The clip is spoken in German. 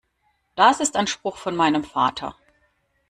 Das ist ein Spruch von meinem Vater.